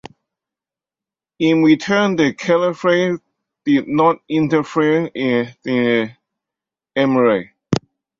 In return, the caliphate did not interfere in the emirate.